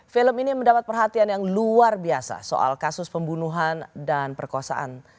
film ini mendapat perhatian yang luar biasa soal kasus pembunuhan dan perkosaan